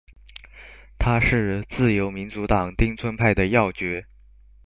他是自由民主党町村派的要角。